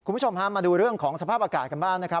คุณผู้ชมฮะมาดูเรื่องของสภาพอากาศกันบ้างนะครับ